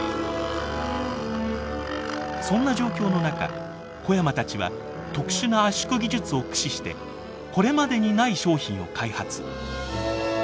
そんな状況の中小山たちは特殊な圧縮技術を駆使してこれまでにない商品を開発。